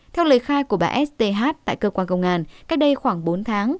theo lời khai của bà s t h tại cơ quan công an cách đây khoảng bốn tháng